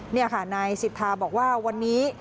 นี่ค่ะนายสิทธาบอกว่าวันนี้